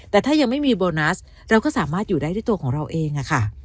แต่ถ้ายังไม่มีโบนัสเราก็สามารถอยู่ได้ด้วยตัวของเราเองค่ะ